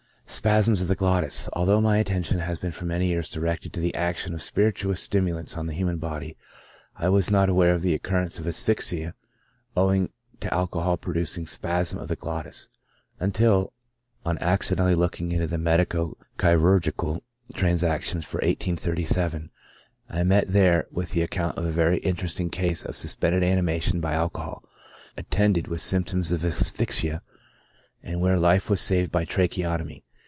Spasm of the Glottis. — Although my attention has been for many years directed to the action of spirituous stimu lants on the human body, I was not aware of the occur rence of asphyxia owing to alcohol producing spasm of the glottis, until, on accidentally looking into the " Medico Chirurgical Transactions" for 1837, I met there with the account of a very interesting case of suspended animation by alcohol, attended with symptoms of asphyxia, and where life was saved by tracheotomy.